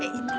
duh duh duh